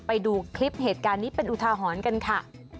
ไปดูคลิปเหตุการณ์นี้เป็นอุทาหรณ์กันค่ะ